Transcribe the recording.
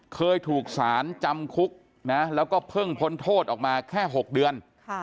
เคยถูกสารจำคุกนะแล้วก็เพิ่งพ้นโทษออกมาแค่๖เดือน